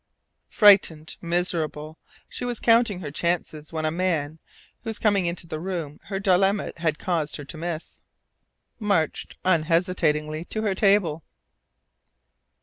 Frightened, miserable, she was counting her chances when a man, whose coming into the room her dilemma had caused her to miss, marched unhesitatingly to her table.